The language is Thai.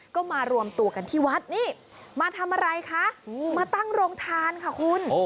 ก็มารวมตัวกันที่วัดนี่มาทำอะไรคะมาตั้งโรงทานค่ะคุณ